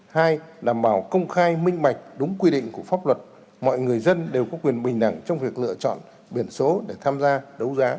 hai đảm bảo công khai minh bạch đúng quy định của pháp luật mọi người dân đều có quyền bình đẳng trong việc lựa chọn biển số để tham gia đấu giá